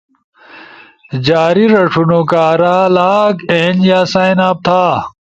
جاری رݜونو کارا لاگ ان یا سائن اپ تھا